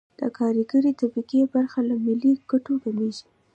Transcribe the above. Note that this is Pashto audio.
د کارګرې طبقې برخه له ملي ګټو کمېږي